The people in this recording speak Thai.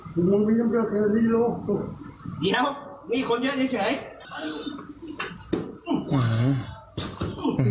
เป็นไรวะไปกระพลคลุมคลั่ง